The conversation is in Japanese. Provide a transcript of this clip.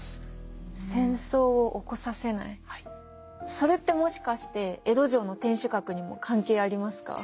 それってもしかして江戸城の天守閣にも関係ありますか？